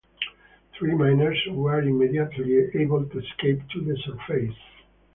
Three miners were immediately able to escape to the surface.